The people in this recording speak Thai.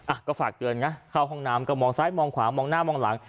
อ่ะก็ฝากเตือนไงเข้าห้องน้ำก็มองซ้ายมองขวามองหน้ามองหลัง